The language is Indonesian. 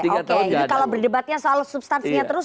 jadi kalau berdebatnya soal substansinya terus